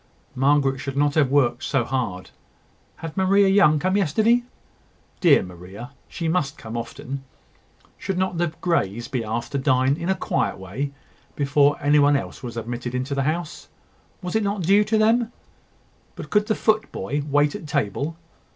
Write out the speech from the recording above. Margaret should not have worked so hard. Had Maria Young come yesterday? Dear Maria! she must often come. Should not the Greys be asked to dine in a quiet way, before any one else was admitted into the house? Was it not due to them? But could the footboy wait at table?